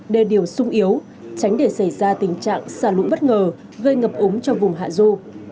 đề điều sung yếu tránh để xảy ra tình trạng xả lũ bất ngờ gây ngập úng cho vùng hạ du